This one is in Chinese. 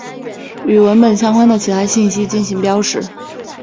与文本相关的其他信息进行标识。